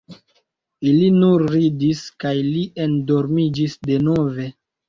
Ili nur ridis, kaj li endormiĝis denove.